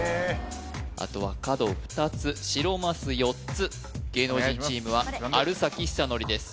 あとは角２つ白マス４つ芸能人チームはある崎修功です